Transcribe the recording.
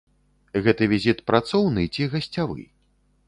Гэты візіт працоўны ці гасцявы?